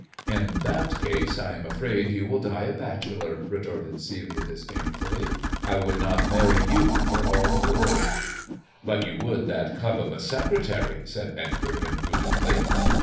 "In that case I am afraid you will die a bachelor," re torted Celia disdainfully. " I would not marry you for all the world." THE dwarf's chamber 119 But you would that cub of a secretary," said Edgar imprudently.